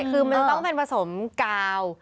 คือมันจะต้องเป็นผสมกาว